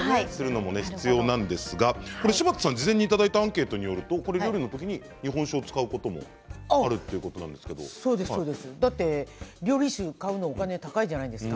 柴田さん、事前にいただいたアンケートによるとお料理の時に日本酒を使うことがだって料理酒を買うのお金、高いじゃないですか。